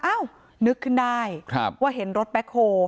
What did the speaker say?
นึกขึ้นได้ว่าเห็นรถแบ็คโฮ